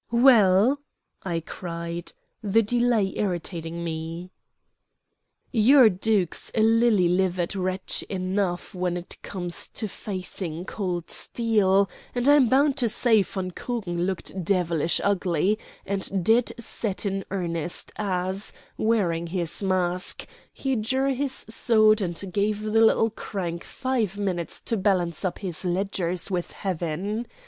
"Well?" I cried, the delay irritating me. "Your duke's a lily livered wretch enough when it comes to facing cold steel, and I'm bound to say von Krugen looked devilish ugly and dead set in earnest as, wearing his mask, he drew his sword and gave the little crank five minutes to balance up his ledgers with Heaven.